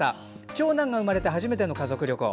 長男が生まれて初めての家族旅行。